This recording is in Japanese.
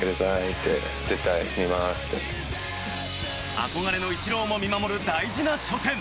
憧れのイチローも見守る大事な初戦。